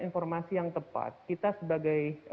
informasi yang tepat kita sebagai